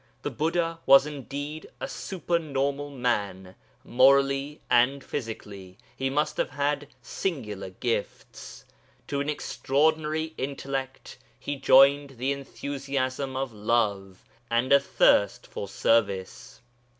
The Buddha was indeed a supernormal man; morally and physically he must have had singular gifts. To an extraordinary intellect he joined the enthusiasm of love, and a thirst for service.